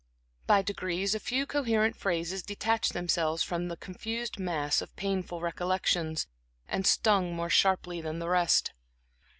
By degrees a few coherent phrases detached themselves from the confused mass of painful recollections, and stung more sharply than the rest.